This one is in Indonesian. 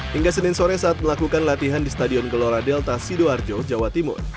hingga senin sore saat melakukan latihan di stadion gelora delta sidoarjo jawa timur